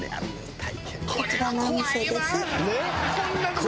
こちらのお店です。